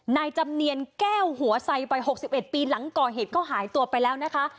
นายจำเนียนแก้วหัวไซวัย๖๑ปีหลังก่อเหตุก็หายตัวไปแล้วนะคะ